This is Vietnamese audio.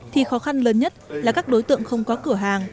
thì khó khăn lớn nhất là các đối tượng không có cửa hàng